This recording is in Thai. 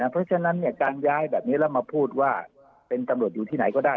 เพราะฉะนั้นการย้ายแบบนี้แล้วมาพูดว่าเป็นตำรวจอยู่ที่ไหนก็ได้